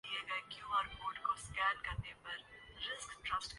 ایک اینڈ تو ولیمسن سنبھالے ہوئے تھے